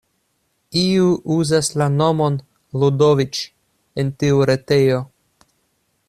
Iu uzas la nomon Ludoviĉ en tiu retejo.